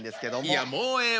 いやもうええわ。